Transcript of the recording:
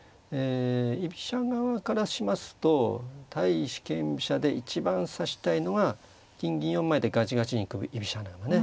居飛車側からしますと対四間飛車で一番指したいのが金銀４枚でガチガチに組む居飛車穴熊ね。